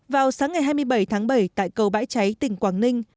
vào sáng ngày hai mươi bảy tháng bảy tại cầu bãi cháy tỉnh quảng ninh